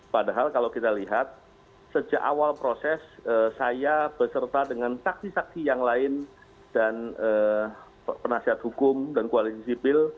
padahal kalau kita lihat sejak awal proses saya beserta dengan saksi saksi yang lain dan penasihat hukum dan koalisi sipil